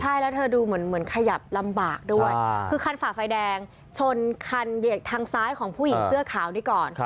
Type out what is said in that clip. ใช่แล้วเธอดูเหมือนขยับลำบากด้วยคือคันฝ่าไฟแดงชนคันซ้ายของผู้หญิงเสื้อขาวนี้ก่อน